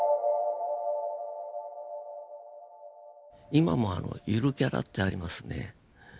今もあの「ゆるキャラ」ってありますね。